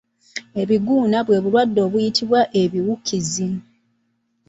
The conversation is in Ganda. Ebiguuna bwe bulwadde obiyitibwa ebiwukiizi.